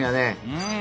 うん。